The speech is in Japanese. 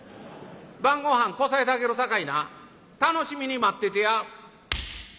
晩ごはんこさえてあげるさかいな楽しみに待っててや」。